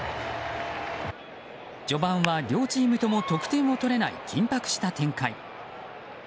序盤は両チームとも得点が取れない緊迫した展開。